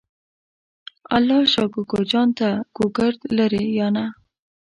الله شا کوکو جان ته ګوګرد لرې یا نه؟